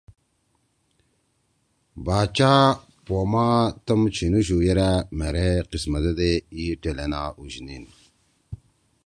باچا پو ما تم چھیِنُوشُو یرأ مھیرے قسمتے دے ای ٹیلینا اُوشنیِن۔